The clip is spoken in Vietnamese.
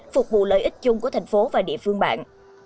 phục vụ lợi ích chung của thành phố và địa phương bạn